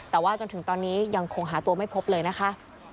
แต่ว่าจนถึงตอนนี้ยังคงหาตัวไม่พบเลยนะคะ